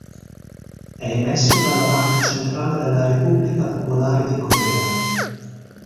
È emesso dalla Banca Centrale della Repubblica Popolare di Corea.